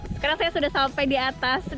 sekarang saya sudah sampai di atas